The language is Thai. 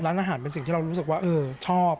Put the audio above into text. ร้านอาหารเป็นสิ่งที่เรารู้สึกว่าชอบ